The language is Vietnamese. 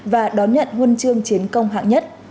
và đón nhận huân chương chiến công hạng nhất